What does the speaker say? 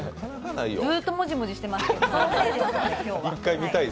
ずーっともじもじしています、今日は。